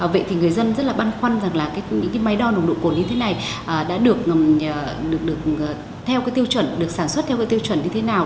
vậy thì người dân rất là băn khoăn rằng là những máy đo nồng độ cồn như thế này đã được sản xuất theo tiêu chuẩn như thế nào